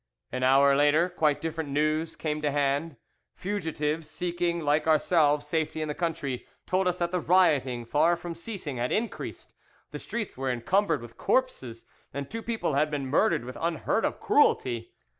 "An hour later, quite different news came to hand. Fugitives, seeking like ourselves safety in the country, told us that the rioting, far from ceasing, had increased; the streets were encumbered with corpses, and two people had been murdered with unheard of cruelty.